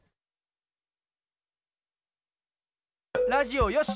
ラジオよし！